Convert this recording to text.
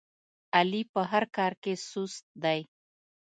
علي په هر کار کې سست دی.